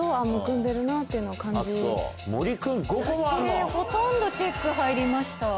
私ほとんどチェック入りました。